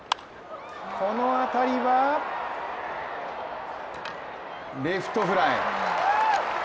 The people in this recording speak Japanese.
この当たりはレフトフライ。